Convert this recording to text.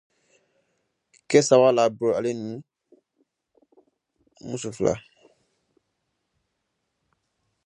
Ils ont eu deux fils et quatre filles.